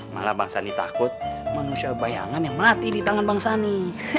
malah bang sani takut manusia bayangan yang mati di tangan bang sani